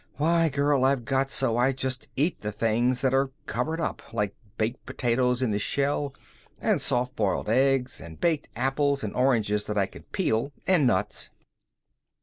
Why, girl, I've got so I just eat the things that are covered up like baked potatoes in the shell, and soft boiled eggs, and baked apples, and oranges that I can peel, and nuts."